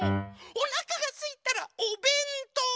おなかがすいたら「おべんとう」！